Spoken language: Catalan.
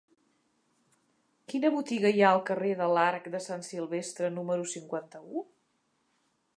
Quina botiga hi ha al carrer de l'Arc de Sant Silvestre número cinquanta-u?